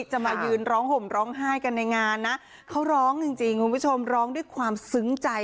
จะมายืนร้องห่มร้องไห้กันในงานนะเขาร้องจริงคุณผู้ชมร้องด้วยความซึ้งใจ